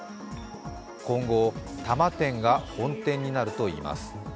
今後、多摩店が本店になるといいます。